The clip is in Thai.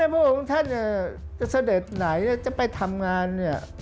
พระองค์ท่านนี่เฉจะไปทำงาน